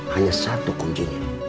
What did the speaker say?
hanya satu kuncinya